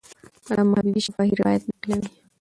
علامه حبیبي شفاهي روایت نقلوي.